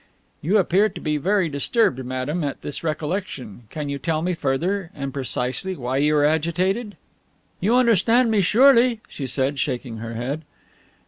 "You appear to be very disturbed, madame, at this recollection. Can you tell me further, and precisely, why you are agitated?" "You understand me, surely," she said, shaking her head.